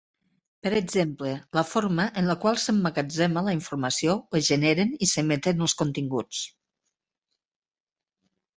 Per exemple, la forma en la qual s'emmagatzema la informació o es generen i s'emeten els continguts.